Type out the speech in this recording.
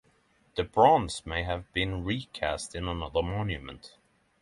The bronze may have been recast in another monument.